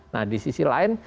nah di sisi lain